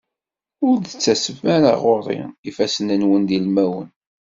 Ur d-tettasem ara ɣur-i ifassen-nwen d ilmawen.